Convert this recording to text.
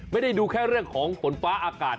ไม่ได้ดูแค่เรื่องของฝนฟ้าอากาศ